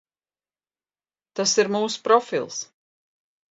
Tas ir mūsu profils.